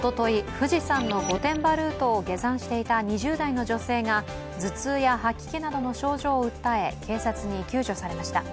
富士山の御殿場ルートを下山していた２０代の女性が頭痛や吐き気などの症状を訴え警察に救助されました。